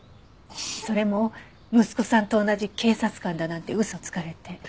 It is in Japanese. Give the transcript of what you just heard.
それも息子さんと同じ警察官だなんて嘘つかれて。